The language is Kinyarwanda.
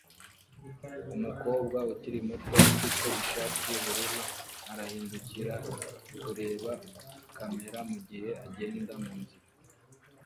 Umukobwa ukiri muto ufite ishati yubururu arahindukira kureba kamera mugihe agenda munzira